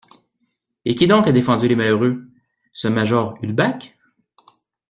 Et qui donc a défendu les malheureux, ce major Ulbach?